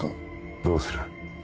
どうする？